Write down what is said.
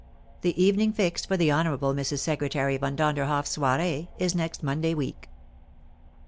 The evening fixed for the honourable Mrs. Secretary Vondonderhoft's soiree is next Monday week."